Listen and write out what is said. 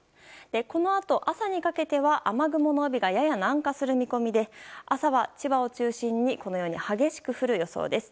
このあと朝にかけては雨雲の帯がやや南下する見込みで朝は、千葉を中心に激しく降る予想です。